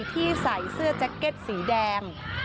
ที่ใส่เสื้อแจ็คเก็ตสีแดง